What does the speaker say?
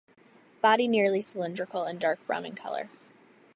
Body nearly cylindrical and dark brown in color.